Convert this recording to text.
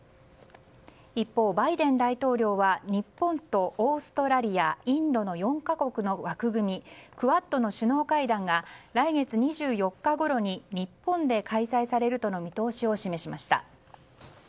一方、バイデン大統領は日本とオーストラリア、インドの４か国の枠組みクアッドの首脳会談が来月２４日ごろに日本で開催されるとの見通しを示しました。